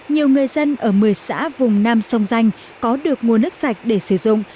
nhiều người dân ở một mươi xã vùng nam sông danh có được nguồn nước sạch để sử dụng